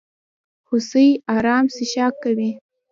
هوسۍ ارام څښاک کوي.